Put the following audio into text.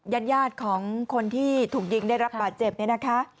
ญาติของคนที่ถูกยิงได้รับบาดเจ็บเนี่ยนะคะ